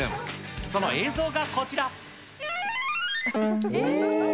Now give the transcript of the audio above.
その映像がこちら。